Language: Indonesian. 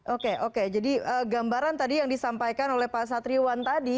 oke oke jadi gambaran tadi yang disampaikan oleh pak satriwan tadi